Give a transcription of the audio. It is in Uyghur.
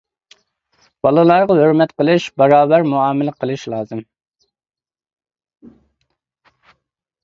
بالىلارغا ھۆرمەت قىلىش، باراۋەر مۇئامىلە قىلىش لازىم.